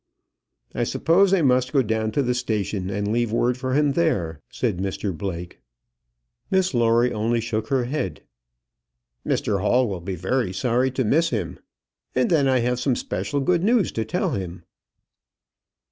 "I suppose I must go down to the station and leave word for him there," said Mr Blake. Miss Lawrie only shook her head. "Mr Hall will be very sorry to miss him. And then I have some special good news to tell him."